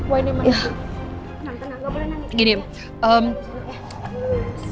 tenang tenang gak boleh nangis